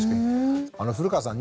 古川さん